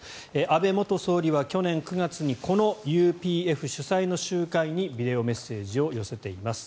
安倍元総理は去年９月にこのＵＰＦ主催の集会にビデオメッセージを寄せています。